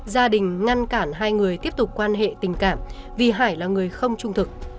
gia đình ngăn cản hai người tiếp tục quan hệ tình cảm vì hải là người không trung thực